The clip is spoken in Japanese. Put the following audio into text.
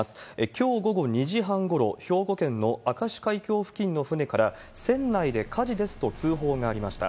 きょう午後２時半ごろ、兵庫県の明石海峡付近の船から、船内で火事ですと、通報がありました。